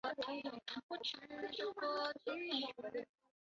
琼斯还原器在制备钛等极易被氧化的离子水溶液方面非常有用。